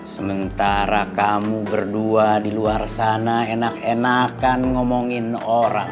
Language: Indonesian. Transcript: sementara kamu berdua di luar sana enak enakan ngomongin orang